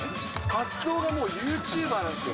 発想がもうユーチューバーなんですよ。